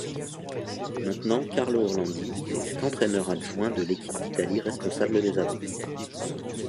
Maintenant Carlo Orlandi est entraîneur adjoint de l'équipe d'Italie responsable des avants.